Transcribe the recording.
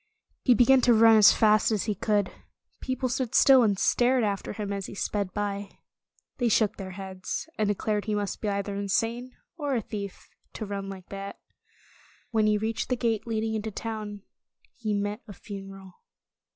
He began to run as fast as he could. People stood still and stared after him as he sped by. They shook their heads, and de clared he must be either insane or a thief, to run like that. When he reached the gate leading into town, he met a funeral.